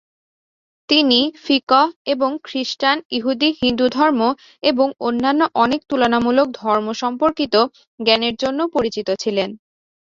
তিনি ফিকহ এবং খ্রিস্টান, ইহুদী, হিন্দু ধর্ম এবং অন্যান্য অনেক তুলনামূলক ধর্ম সম্পর্কিত জ্ঞানের জন্যও পরিচিত ছিলেন।